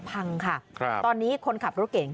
พังค่ะตอนนี้คนขับรถเก่ง